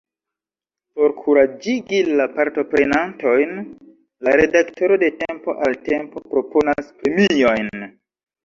Por kuraĝigi la partoprenantojn, la redaktoro de tempo al tempo proponas premiojn.